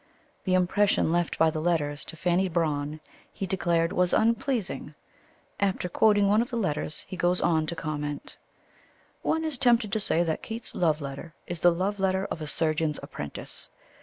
The impression left by the letters to Fanny Brawne, he declared, was "unpleasing." After quoting one of the letters, he goes on to comment: One is tempted to say that Keats's love letter is the love letter of a surgeon's apprentice.